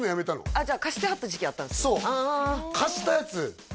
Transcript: あっじゃあ貸してはった時期あったんですね嘘！？